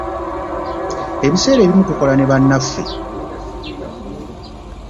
Ebiseera ebimu tukola ne bannaffe.